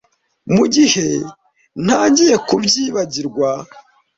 Mugihe ntangiye kubyibagirwa